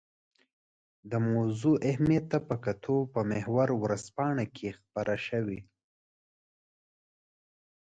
د موضوع اهمیت ته په کتو په محور ورځپاڼه کې خپره شوې.